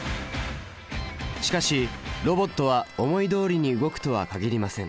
しかしロボットは思いどおりに動くとは限りません。